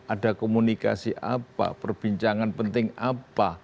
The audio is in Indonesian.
ada komunikasi apa perbincangan penting apa